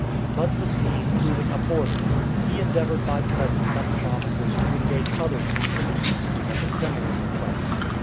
But the scheme proving abortive, he endeavoured by presents and promises to engage other kings of the East to make a similar request.